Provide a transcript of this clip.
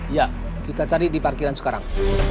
ya kita cari di parkiran sekarang